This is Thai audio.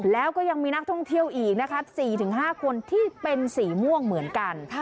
แล้วก็ยังมีนักท่องเที่ยวอีกนะคะ๔๕คนที่เป็นสีม่วงเหมือนกัน